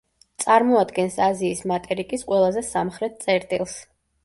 წარმოადგენს აზიის მატერიკის ყველაზე სამხრეთ წერტილს.